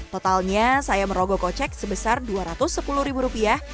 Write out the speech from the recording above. totalnya saya merogoh kocek sebesar dua ratus sepuluh ribu rupiah